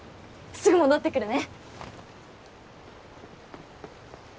すぐ戻ってくるね！